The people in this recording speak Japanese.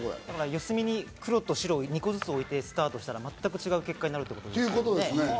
四隅に黒と白を２個ずつ置いてスタートしたら全く違う結果になるということですね。